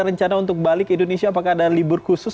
rencana untuk balik ke indonesia apakah ada libur khusus